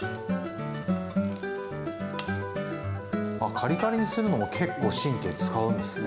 カリカリにするのも結構神経遣うんですね。